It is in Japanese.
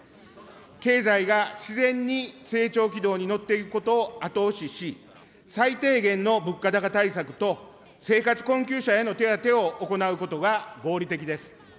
経済が自然に成長軌道に乗っていくことを後押しし、最低限の物価高対策と生活困窮者への手当を行うことが合理的です。